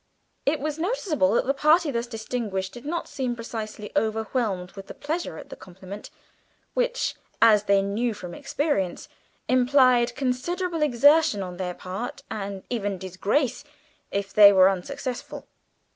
It was noticeable that the party thus distinguished did not seem precisely overwhelmed with pleasure at the compliment, which, as they knew from experience, implied considerable exertion on their part, and even disgrace if they were unsuccessful.